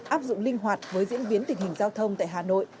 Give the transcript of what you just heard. áp dụng linh hoạt với diễn biến tình hình giao thông tại hà nội